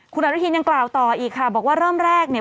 คุณอนุทินยังกล่าวต่ออีกค่ะบอกว่าเริ่มแรกเนี่ย